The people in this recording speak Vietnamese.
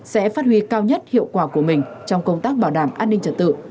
sẽ phát huy cao nhất hiệu quả của mình trong công tác bảo đảm an ninh trật tự